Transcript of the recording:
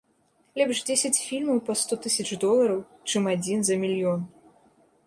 Лепш дзесяць фільмаў па сто тысяч долараў, чым адзін за мільён.